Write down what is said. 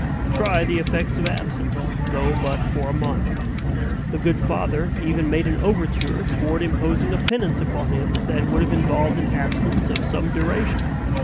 Try the effects of absence, though but for a month." The good father even made an overture toward imposing a penance upon him, that would have involved an absence of some duration.